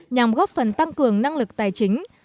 nhằm góp phần tăng cường năng lực tài chính